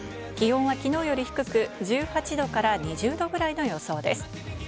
気温は昨日より低く１８度から２０度くらいの予想です。